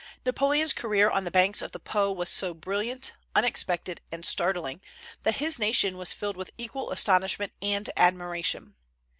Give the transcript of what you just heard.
Napoleon's career on the banks of the Po was so brilliant, unexpected, and startling, that his nation was filled with equal astonishment and admiration.